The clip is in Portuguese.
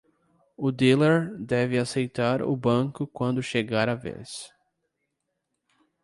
O dealer deve aceitar o banco quando chegar a vez.